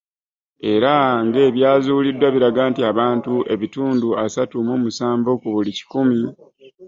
Era ng'ebyazuuliddwa biraga nti abantu ebitundu asatu mu musanvu ku buli kikumi